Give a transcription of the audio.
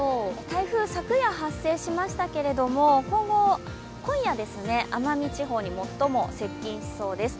台風、昨夜発生しましたけれども今夜、奄美地方に最も接近しそうです。